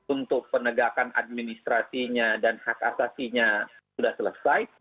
untuk penegakan administrasinya dan hak asasinya sudah selesai